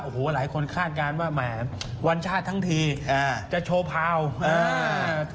โอ้โหหลายคนคาดการณ์ว่าแหมวันชาติทั้งทีอ่าจะโชว์พาวอ่า